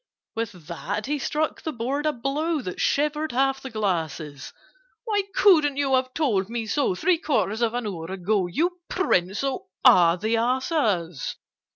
With that he struck the board a blow That shivered half the glasses. "Why couldn't you have told me so Three quarters of an hour ago, You prince of all the asses?